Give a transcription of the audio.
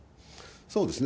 そうですね。